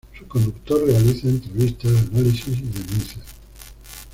Su conductor realiza entrevistas, análisis y denuncias.